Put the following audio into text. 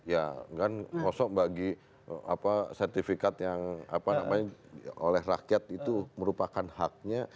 ya kan kosong bagi sertifikat yang apa namanya oleh rakyat itu merupakan haknya